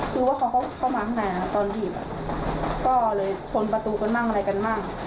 คือว่าเขาก็มาข้างในน่ะตอนบีบก็เลยชนประตูก็นั่งอะไรกันมั่ง